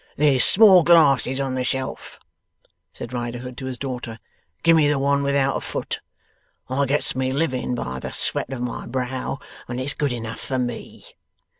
'There's small glasses on the shelf,' said Riderhood to his daughter. 'Give me the one without a foot. I gets my living by the sweat of my brow, and it's good enough for ME.